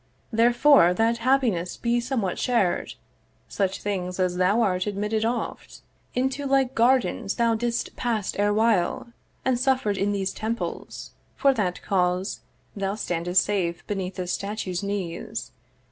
'Therefore, that happiness be somewhat shar'd, 'Such things as thou art are admitted oft 'Into like gardens thou didst pass erewhile, 'And suffer'd in these temples: for that cause 'Thou standest safe beneath this statue's knees.'